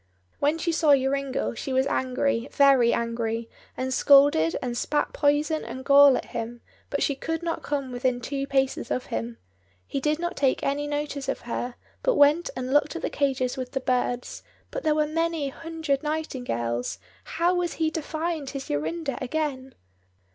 When she saw Joringel she was angry, very angry, and scolded and spat poison and gall at him, but she could not come within two paces of him. He did not take any notice of her, but went and looked at the cages with the birds; but there were many hundred nightingales, how was he to find his Jorinda again?